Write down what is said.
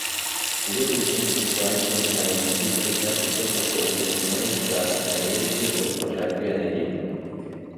Следующим выступающим в моем списке значится посол Соединенных Штатов Америки госпожа Кеннеди.